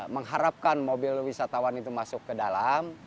mengharapkan mobil wisatawan itu masuk ke dalam